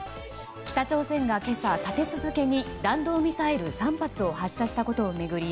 北朝鮮が今朝、立て続けに弾道ミサイル３発を発射したことを巡り